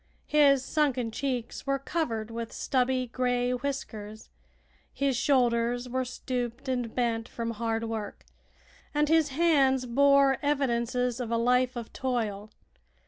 His sunken cheeks were covered with stubby gray whiskers, his shoulders were stooped and bent from hard work, and his hands bore evidences of a life of toil.